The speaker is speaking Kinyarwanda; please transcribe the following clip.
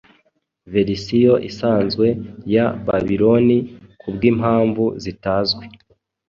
verisiyo isanzwe ya Babiloni Kubwimpamvu zitazwi